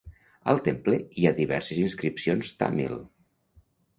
Al temple hi ha diverses inscripcions tàmil.